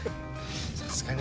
さすがに。